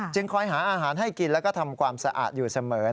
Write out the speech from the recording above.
คอยหาอาหารให้กินแล้วก็ทำความสะอาดอยู่เสมอ